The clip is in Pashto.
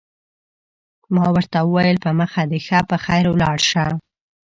ما ورته وویل: په مخه دې ښه، په خیر ولاړ شه.